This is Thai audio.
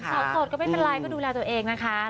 โสดก็ไม่เป็นไรก็ดูแลตัวเองนะคะ